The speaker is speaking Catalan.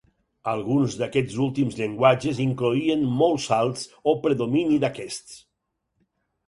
Alguns d'aquests últims llenguatges incloïen molts salts o predomini d'aquests.